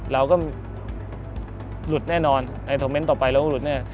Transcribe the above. เราก็หลุดแน่นอนในส่วนต่อไปเราก็หลุดแน่นอน